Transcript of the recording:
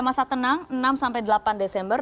masa tenang enam sampai delapan desember